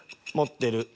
持ってる。